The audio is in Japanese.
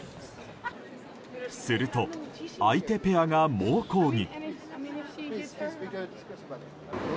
すると、相手ペアが猛抗議。